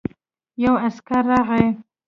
يو عسکر راغی.